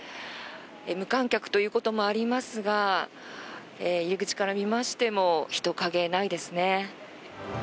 無観客ということもありますが入り口から見ましても人影はないですね。